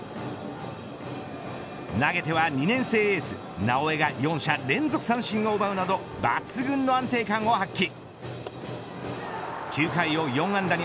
投げては２年生エース直江が４者連続三振を奪うなど抜群の安定感を発揮。